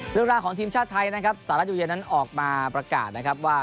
เรื่องราวของทีมชาติไทยนะครับสหรัฐอยู่เย็นนั้นออกมาประกาศนะครับว่า